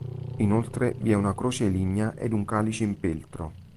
Inoltre vi è una croce lignea ed un calice in peltro.